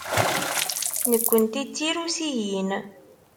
Nekkenti d Tirusiyin.